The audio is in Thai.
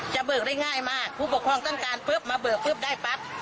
เบิกได้ง่ายมากผู้ปกครองต้องการปุ๊บมาเบิกปุ๊บได้ปั๊บ